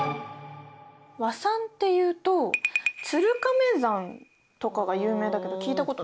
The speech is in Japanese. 和数っていうと鶴亀算とかが有名だけど聞いたことない？